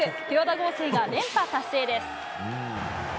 豊田合成が連覇達成です。